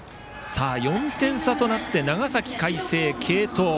４点差となって長崎・海星、継投。